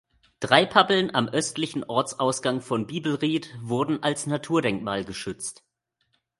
Drei Pappeln am östlichen Ortsausgang von Biebelried wurden als Naturdenkmal geschützt.